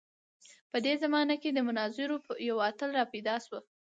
په دې زمانه کې د مناظرو یو اتل راپیدا شو.